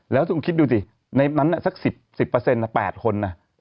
แล้วคุณคิดดูสิในนั้นนั้นสัก๑๐นะ๘คนน่ะ